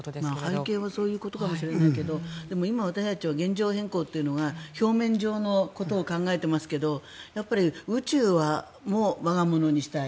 背景はそういうことかもしれないけどでも今、私たちは現状変更というのが表面上のことを考えてますが宇宙はわがものにしたい。